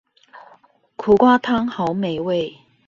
苦瓜湯好美味